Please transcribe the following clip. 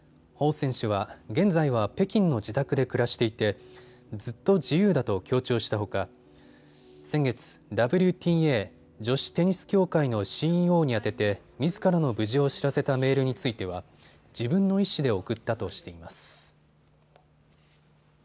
彭選手は現在は北京の自宅で暮らしていてずっと自由だと強調したほか先月、ＷＴＡ・女子テニス協会のＣＥＯに宛ててみずからの無事を知らせたメールについては自分の意思で送ったとしています。